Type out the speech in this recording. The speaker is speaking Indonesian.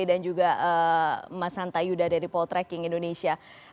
dan juga mas hanta yuda dari poltreking indonesia